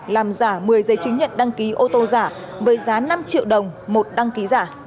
làm giả một mươi giấy chứng nhận đăng ký ô tô giả với giá năm triệu đồng một đăng ký giả